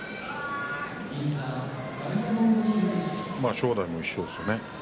正代も一緒ですね。